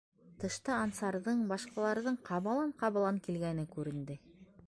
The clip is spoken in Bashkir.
Тышта Ансарҙың, башҡаларҙың ҡабалан-ҡабалан килгәне күренде.